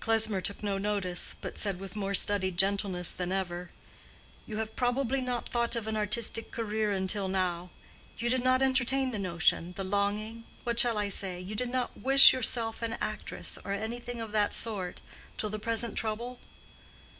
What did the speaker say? Klesmer took no notice, but said with more studied gentleness than ever, "You have probably not thought of an artistic career until now: you did not entertain the notion, the longing—what shall I say?—you did not wish yourself an actress, or anything of that sort, till the present trouble?"